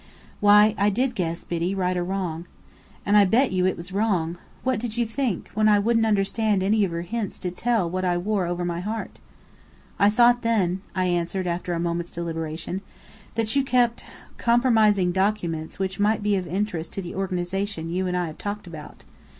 "Why, yes, I did guess, Biddy, right or wrong." "And I'll bet you it was wrong! What did you think, when I wouldn't understand any of your hints to tell what I wore over my heart?" "I thought then," I answered after a moment's deliberation, "that you kept compromising documents which might be of interest to the organization you and I have talked about.